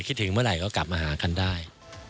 คิดถึงเมื่อไหร่ก็กลับมาหากันได้